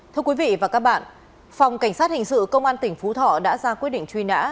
thưa quý vị và các bạn phòng cảnh sát hình sự công an tỉnh phú thọ đã ra quyết định truy nã